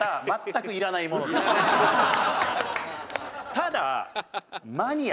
「ただ」